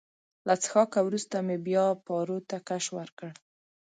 له څښاکه وروسته مې بیا پارو ته کش ورکړ.